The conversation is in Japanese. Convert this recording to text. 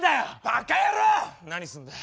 何すんだよ。